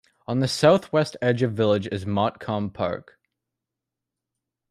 On the south-west edge of the village is Motcombe Park.